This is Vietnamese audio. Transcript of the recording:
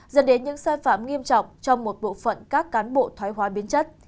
dẫn đến những sai phạm nghiêm trọng trong một bộ phận cán bộ thói hóa biến chất